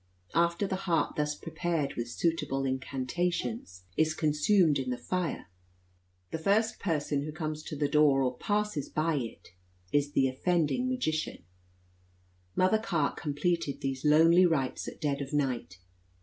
After the heart, thus prepared with suitable incantations, is consumed in the fire, the first person who comes to the door or passes by it is the offending magician. Mother Carke completed these lonely rites at dead of night.